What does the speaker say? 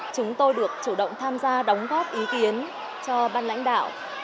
chúng tôi được chủ động tham gia đóng góp ý kiến cho ban lãnh đạo